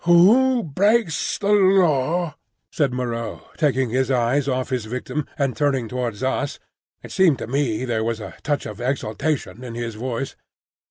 "Who breaks the Law—" said Moreau, taking his eyes off his victim, and turning towards us (it seemed to me there was a touch of exultation in his voice).